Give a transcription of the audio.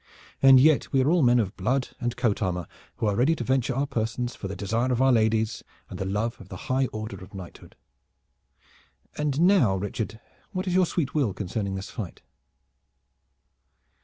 And yet we are all men of blood and coat armor, who are ready to venture our persons for the desire of our ladies and the love of the high order of knighthood. And now, Richard, what is your sweet will concerning this fight?"